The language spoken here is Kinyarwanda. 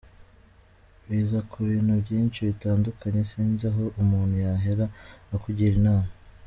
biva kubintu byishi bitandukanye sinzi aho umuntu yahera akugira inama.